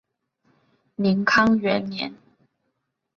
宁康元年。